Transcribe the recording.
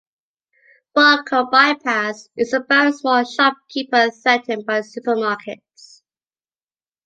"Barcode Bypass" is about a small shopkeeper threatened by the supermarkets.